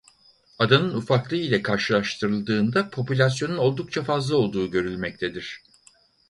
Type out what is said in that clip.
Adanın ufaklığı ile karşılaştırıldığında popülasyonun oldukça fazla olduğu görülmektedir.